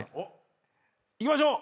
いきましょう！